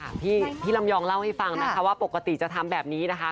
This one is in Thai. พี่พี่ลำยองเล่าให้ฟังนะคะว่าปกติจะทำแบบนี้นะคะ